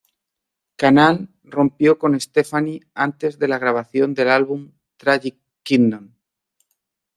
Kanal rompió con Stefani antes de la grabación del álbum Tragic Kingdom.